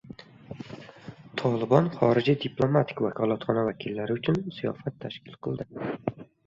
«Tolibon» xorijiy diplomatik vakolatxona vakillari uchun ziyofat tashkil qildi